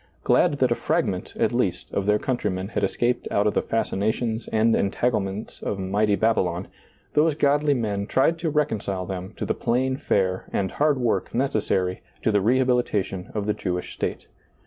Glad that a fragment, at least, of their countrymen had escaped out of the fasci nations and entanglements of mighty Babylon, those godly men tried to reconcile them to the plain fare and hard work necessary to the rehabil itation of the Jewish state.